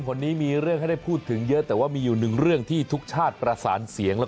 วันนี้มีเรื่องให้ได้พูดถึงเยอะแต่ว่ามีอยู่หนึ่งเรื่องที่ทุกชาติประสานเสียงและ